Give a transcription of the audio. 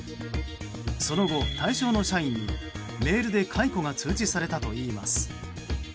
その後、対象の社員にメールで解雇が通知されたといいます。